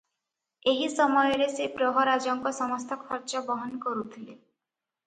ଏହି ସମୟରେ ସେ ପ୍ରହରାଜଙ୍କ ସମସ୍ତ ଖର୍ଚ୍ଚ ବହନ କରୁଥିଲେ ।